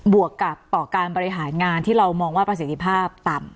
วกกับต่อการบริหารงานที่เรามองว่าประสิทธิภาพต่ำ